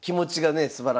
すばらしいです。